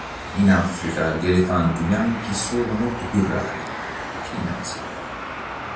In Africa, gli elefanti bianchi sono molto più rari che in Asia.